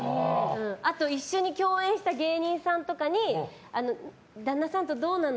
あと一緒に共演した芸人さんとかに「旦那さんとどうなの？